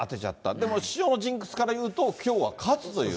でも師匠のジンクスからいうと、きょうは勝つという。